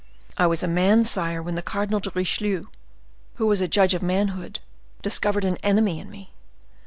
I was a man, sire, when the Cardinal de Richelieu, who was a judge of manhood, discovered an enemy in me.